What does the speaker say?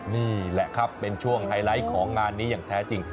นี่แหละครับเป็นช่วงไฮไลท์ของงานนี้อย่างแท้จริง